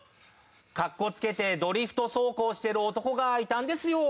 格好付けてドリフト走行してる男がいたんですよ。